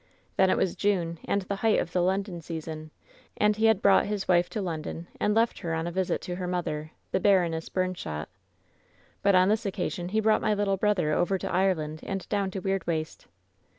"Then it was June and the height of the London sea son, and he had brought his wife to London and left her on a visit to her mother, the Baroness Bumshot. But on this occasion he brought my little brother over to Ireland and down to Weirdwaste.